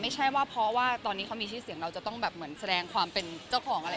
ไม่ใช่ว่าเพราะว่าตอนนี้เขามีชื่อเสียงเราจะต้องแบบเหมือนแสดงความเป็นเจ้าของอะไร